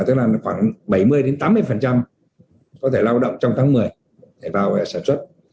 tức là khoảng bảy mươi tám mươi có thể lao động trong tháng một mươi để vào sản xuất